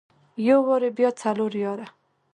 يو واري بيا څلور ياره.